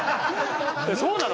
そうなの？